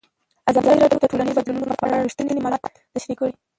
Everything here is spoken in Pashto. ازادي راډیو د ټولنیز بدلون په اړه رښتیني معلومات شریک کړي.